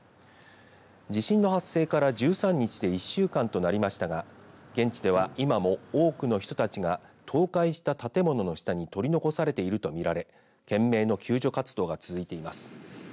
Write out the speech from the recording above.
地震の発生から１３日で１週間となりましたが現地では今も多くの人たちが倒壊した建物の下に取り残されていると見られ懸命の救助活動が続いています。